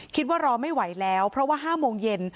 คิดว่ารอไม่ไหวแล้วเพราะว่า๕โมงเย็น